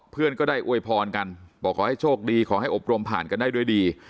เพื่อนก็ได้อวยพรกันบอกขอให้โชคดีขอให้อบรมผ่านกันได้ด้วยดี